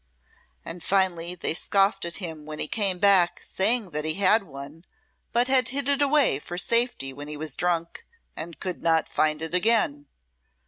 And finely they scoffed at him when he came back saying that he had had one, but had hid it away for safety when he was drunk, and could not find it again.